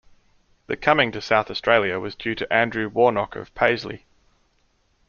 The coming to South Australia was due to Andrew Warnock of Paisley.